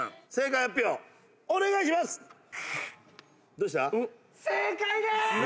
どうした？